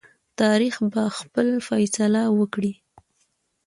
تاریخ به خپل فیصله وکړي.